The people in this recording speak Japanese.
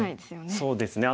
そうですね。